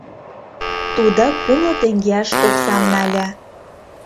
— тудо кумло теҥгеаш оксам нале.